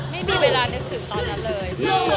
ไม่มีเวลานึกถึงตอนนั้นเลย